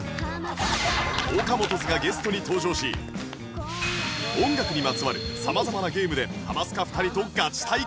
ＯＫＡＭＯＴＯ’Ｓ がゲストに登場し音楽にまつわる様々なゲームで『ハマスカ』２人とガチ対決！